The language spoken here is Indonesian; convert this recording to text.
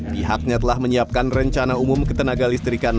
pihaknya telah menyiapkan rencana umum ketenagakalistrikan